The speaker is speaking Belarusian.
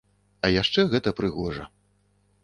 А яшчэ гэта прыгожа.